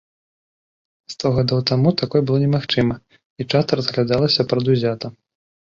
Сто гадоў таму такое было немагчыма, і часта разглядалася прадузята.